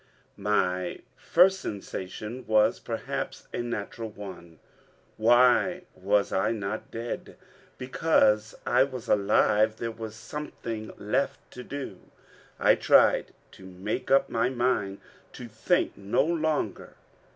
My first sensation was perhaps a natural one. Why was I not dead? Because I was alive, there was something left to do. I tried to make up my mind to think no longer.